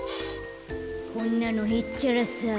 こんなのへっちゃらさ。